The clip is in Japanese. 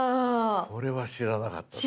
これは知らなかったよ。